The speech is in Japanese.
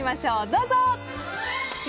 どうぞ！